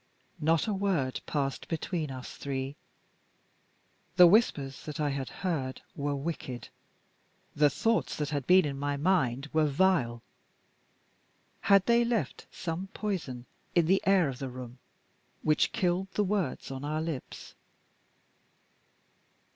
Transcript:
Not a word passed between us three. The whispers that I had heard were wicked; the thoughts that had been in my mind were vile. Had they left some poison in the air of the room, which killed the words on our lips?